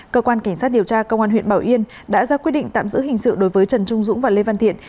cơ quan cảnh sát điều tra công an huyện bảo yên đã ra quyết định tạm giữ hình sự đối với trần trung dũng và lê văn thiện